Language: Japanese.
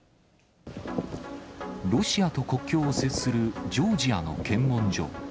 ロシアと国境を接するジョージアの検問所。